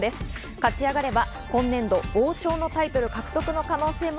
勝ち上がれば今年度、王将のタイトル獲得の可能性も